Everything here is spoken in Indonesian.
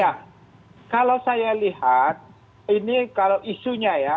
ya kalau saya lihat ini kalau isunya ya